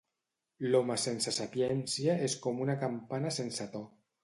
L'home sense sapiència és com una campana sense to.